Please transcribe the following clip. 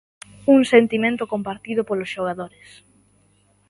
Un sentimento compartido polos xogadores.